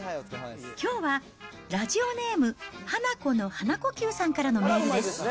きょうはラジオネーム、ハナコの鼻呼吸さんからのメールです。